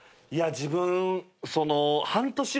いや自分。